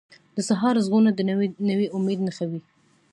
د سهار ږغونه د نوي امید نښه وي.